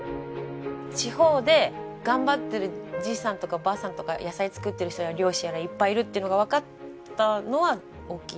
地方で頑張ってるじいさんとかばあさんとか野菜作ってる人や猟師やらいっぱいいるっていうのがわかったのは大きい。